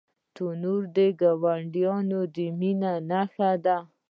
تنور د ګاونډیانو د مینې نښانه ده